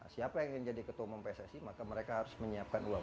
siapa yang ingin jadi ketua umum pssi maka mereka harus menyiapkan